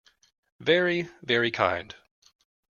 Very, very kind.